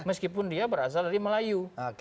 meskipun dia berasal dari melayu